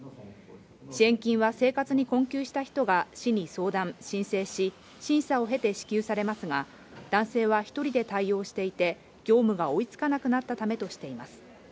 支援金は生活に困窮した人が市に相談、申請し、審査を経て支給されますが、男性は１人で対応していて、業務が追い付かなくなったためとしています。